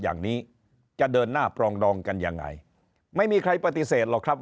อย่างนี้จะเดินหน้าปรองดองกันยังไงไม่มีใครปฏิเสธหรอกครับ